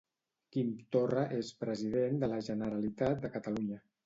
Quim Torra és President de la Generalitat de Catalunya